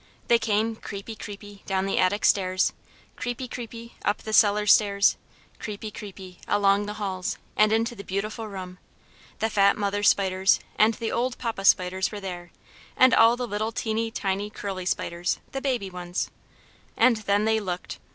They came creepy, creepy, down the attic stairs, creepy, creepy, up the cellar stairs, creepy, creepy, along the halls, and into the beautiful room. The fat mother spiders and the old papa spiders were there, and all the little teeny, tiny, curly spiders, the baby ones. And then they looked!